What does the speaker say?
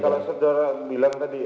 kalau saudara bilang tadi